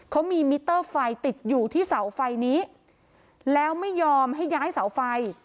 เขามีมิเตอร์ไฟติดอยู่ที่เสาไฟนี้แล้วไม่ยอมให้ย้ายเสาไฟ